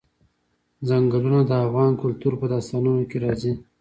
ځنګلونه د افغان کلتور په داستانونو کې راځي.